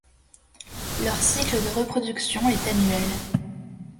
Leur cycle de reproduction est annuel.